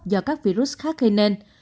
do các virus khác hay nên